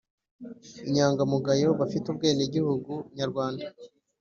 inyangamugayo bafite ubwenegihugu nyarwanda